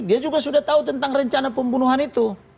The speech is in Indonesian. dia juga sudah tahu tentang rencana pembunuhan itu